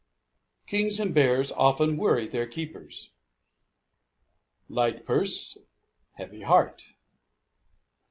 Kings and bears often worry their keepers. Light purse, heavy heart.